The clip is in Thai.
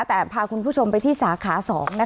พาทุกคนทำไปที่สาขา๒